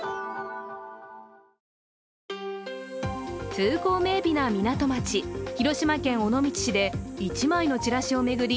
風光明美な港町、広島県尾道市で一枚のチラシを巡り